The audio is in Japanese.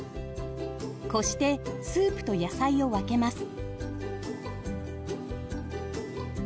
こしてスープと野菜を分けます。